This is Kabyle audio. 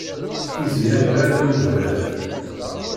Izzi amrar i udrar.